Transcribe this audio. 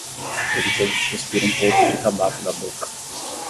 Ele teve que cuspir um pouco de tabaco da boca.